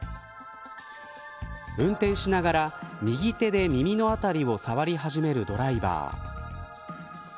運転しながら右手で耳の辺りを触り始めるトライバー。